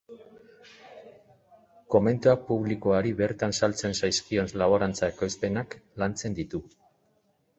Komentuak publikoari bertan saltzen zaizkion laborantza ekoizpenak lantzen ditu.